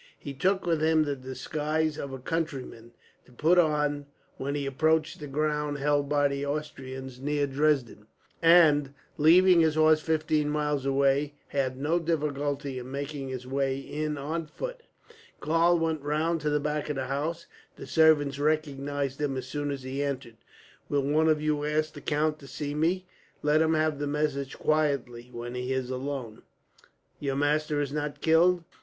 He took with him the disguise of a countryman, to put on when he approached the ground held by the Austrians near Dresden; and, leaving his horse fifteen miles away, had no difficulty in making his way in on foot. Karl went round to the back of the house. The servants recognized him as soon as he entered. "Will one of you ask the count to see me? Let him have the message quietly, when he is alone." "Your master is not killed?"